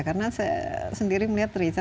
karena saya sendiri melihat reza